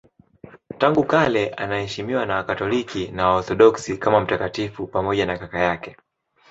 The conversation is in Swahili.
Tangu kale anaheshimiwa na Wakatoliki na Waorthodoksi kama mtakatifu pamoja na kaka yake.